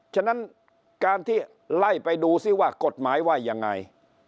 ฉะนั้นการที่ไล่ไปดูซิว่ากฎหมายว่ายังไง